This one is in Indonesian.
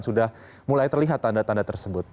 sudah mulai terlihat tanda tanda tersebut